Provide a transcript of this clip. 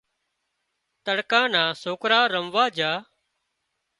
تڙڪا نا سوڪرا رموا جھا